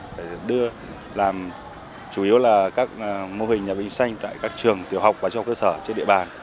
để đưa làm chủ yếu là các mô hình nhà vệ sinh xanh tại các trường tiểu học và trường hợp cơ sở trên địa bàn